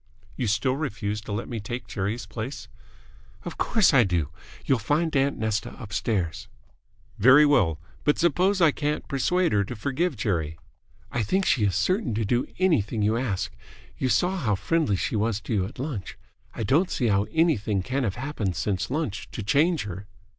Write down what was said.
"You still refuse to let me take Jerry's place?" "Of course I do. You'll find aunt Nesta upstairs." "Very well. But suppose I can't persuade her to forgive Jerry?" "I think she is certain to do anything you ask. You saw how friendly she was to you at lunch. I don't see how anything can have happened since lunch to change her."